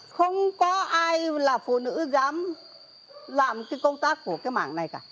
không có ai là phụ nữ dám làm cái công tác của cái mảng này cả